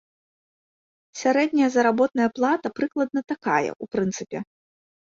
Сярэдняя заработная плата прыкладна такая, у прынцыпе.